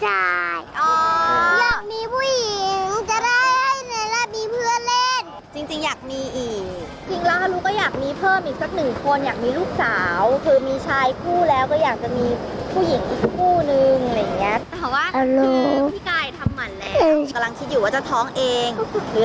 หรือเราจะไปรับลูกมาเลี้ยง